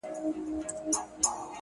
حدِاقل چي ته مي باید پُخلا کړې وای،